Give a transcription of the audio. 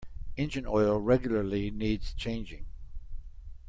Engine oil regularly needs changing.